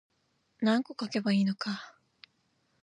何個書けばいいのか